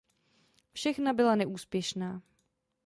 Všechna byla neúspěšná.